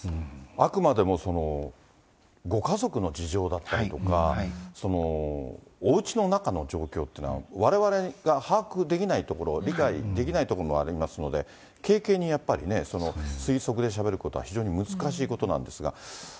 あくまでも、ご家族の事情だったりとか、おうちの中の状況っていうのは、われわれが把握できないところ、理解できないところもありますので、軽々にやっぱりね、推測でしゃべることは非常に難しいことなんですが。